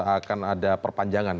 akan ada perpanjangan